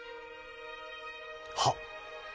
はっ。